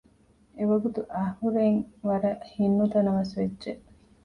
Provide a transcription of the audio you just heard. އެވަގުތު އަހުރެން ވަރަށް ހިތް ނުތަނަވަސް ވެއްޖެ